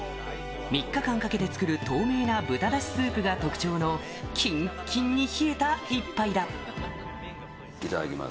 ３日間かけて作る透明な豚だしスープが特徴の、きんっきんに冷えいただきます。